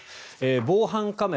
防犯カメラ